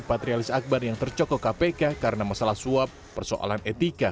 patrialis akbar yang tercokok kpk karena masalah suap persoalan etika